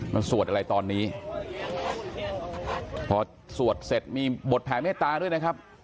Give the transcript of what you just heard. มันสวดอะไรตอนนี้พอสวดเสร็จมีบทแผ่เมตตาด้วยนะครับ